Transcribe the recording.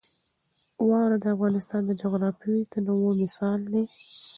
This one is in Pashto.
واوره د افغانستان د جغرافیوي تنوع مثال دی.